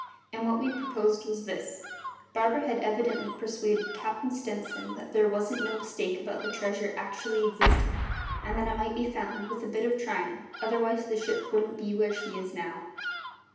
And what we proposed was this: Barber had evidently persuaded Cap'n Stenson that there wasn't no mistake about the treasure actually existin', and that it might be found, with a bit of tryin', otherwise the ship wouldn't be where she is now.